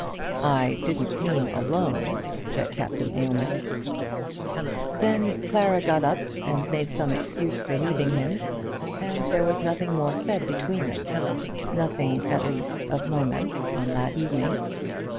"I didn't mean alone," said Captain Aylmer. Then Clara got up and made some excuse for leaving him, and there was nothing more said between them, nothing, at least, of moment, on that evening.